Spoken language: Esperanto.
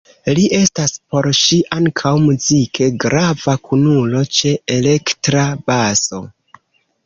Li estas por ŝi ankaŭ muzike grava kunulo ĉe elektra baso.